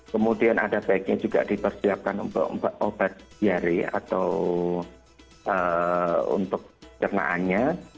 kemudian ada baiknya juga dipersiapkan untuk obat diare atau untuk cernaannya